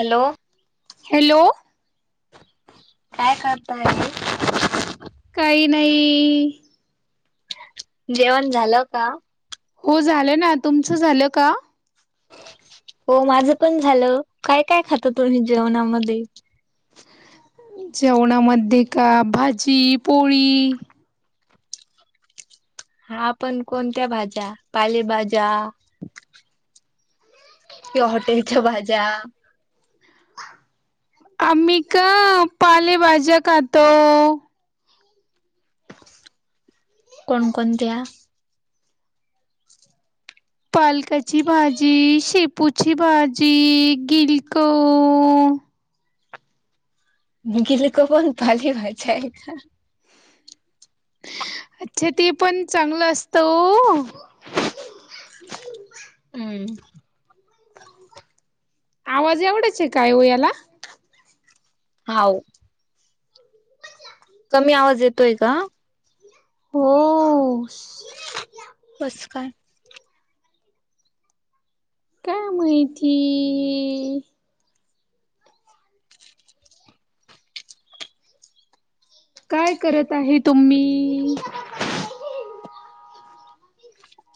Hello hello काय करताय आहे? काही नाही. जेवण झाल का? हो झालं ना. तुमच झाल का? हो माझं पण झालं. काय - काय खाता तुम्ही जेवणामध्ये? जेवणामध्ये का भाजी, पोळी हा पण कोणत्या भाज्या पालेभाज्या किंवा हॉटेलच्या भाज्या? आम्ही का? पालेभाज्या खातो. कोण कोणत्या? पालकाची भाजी, शेपूची भाजी, गिलक गिलक कोण भाजी भाज्या य अच्छा ते पण चांगलं असतं ओ. हम्. आवाज एवढाच आहे काय हो याला? हाव. कमी आवाज येतोय का? हो - - कस काय? काय माहिती? काय करत आहे तुम्ही?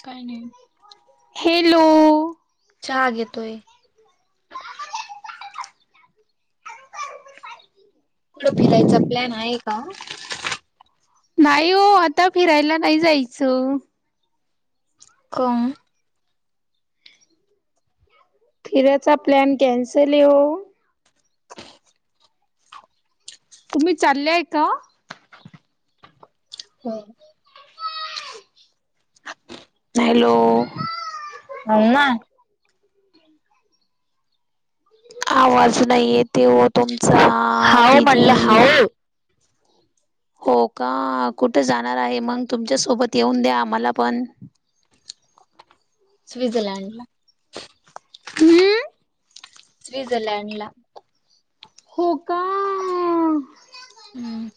काही नाही. हॅलो चहा घेतोय. कुठ फिरायचा प्लॅन आहे का? नाही ओ आता फिरायला नाही जायचं. कम फिरायचा प्लॅन कॅन्सल येऊ तुम्ही चालल्या आहे का? हो. हॅलो. हम्मा. आवाज नाय येते वो तुमचा हाव दिदी. म्हणलं हाव हो का. कुठे जाणार आहे मंग? तुमच्या सोबत येऊन द्या आम्हाला पण. स्वीटझरलँडला. हम्म स्विटझरलँडला. हो का? हम्म.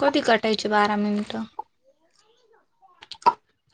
कधी कटायचे बारा मिनटं? [inaudible]